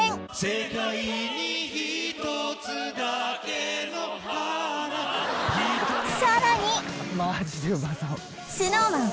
世界に一つだけの花さらにマジでうまそうＳｎｏｗＭａｎ